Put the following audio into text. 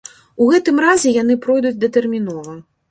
У гэтым разе яны пройдуць датэрмінова.